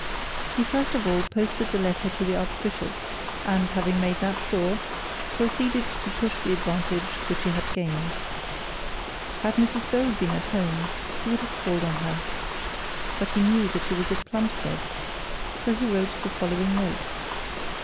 He first of all posted the letter to the archbishop, and having made that sure he proceeded to push the advantage which he had gained. Had Mrs Bold been at home, he would have called on her; but he knew that she was at Plumstead, as he wrote the following note.